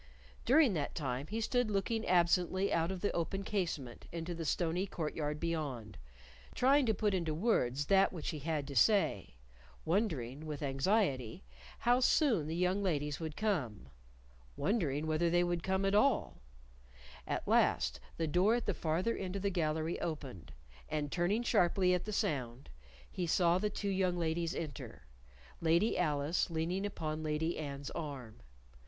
During that time he stood looking absently out of the open casement into the stony court yard beyond, trying to put into words that which he had to say; wondering, with anxiety, how soon the young ladies would come; wondering whether they would come at all. At last the door at the farther end of the gallery opened, and turning sharply at the sound, he saw the two young ladies enter, Lady Alice leaning upon Lady Anne's arm.